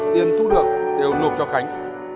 tiền thu được đều lột cho khánh